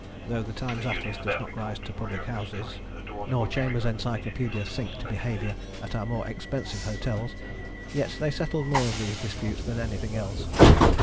Though the Times Atlas does not rise to public houses nor Chambers's Encyclopaedia sink to behaviour at our more expensive hotels, yet they settled more of these disputes than anything else.